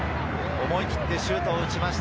思い切ってシュートを打ちました。